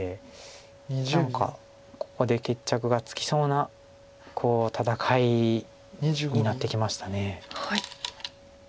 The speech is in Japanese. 何かここで決着がつきそうな戦いになってきました。